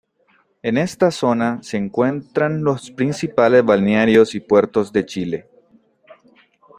En esta zona se encuentran los principales balnearios y puertos de Chile.